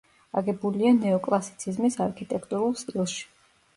აგებულია ნეოკლასიციზმის არქიტექტურულ სტილში.